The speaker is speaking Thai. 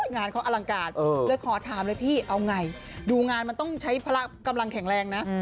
งานเขาอลังการเลยขอถามเลยพี่เอาไงดูงานมันต้องใช้พละกำลังแข็งแรงนะ